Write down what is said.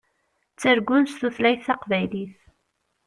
Ttargun s tutlayt taqbaylit.